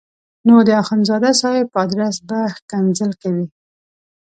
نو د اخندزاده صاحب په ادرس به ښکنځل کوي.